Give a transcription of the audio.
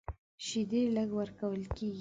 شیدې لږ ورکول کېږي.